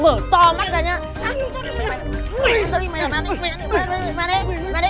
mày ăn tao đi mày ăn đi mày ăn đi mày ăn đi